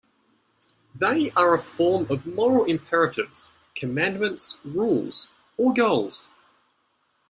They are a form of moral imperatives, commandments, rules or goals.